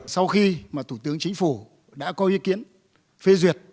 sau khi thủ tướng chính phủ đã có ý kiến phê duyệt